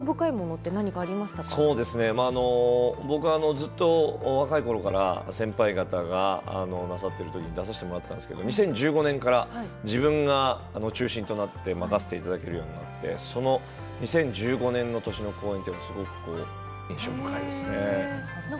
「新春浅草歌舞伎」で印象深いものって僕はずっと若いころから、先輩方がなさっている時に出させてもらったんですけど２０１５年から自分が中心となって任せていただけるようになってその２０１５年の年の公演がすごく印象深いです。